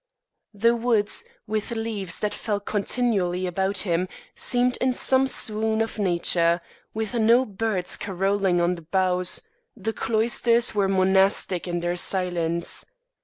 The woods, with leaves that fell continually about him, seemed in some swoon of nature, with no birds carolling on the boughs; the cloisters were monastic in their silence.